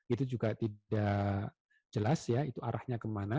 itu juga tidak jelas ya itu arahnya kemana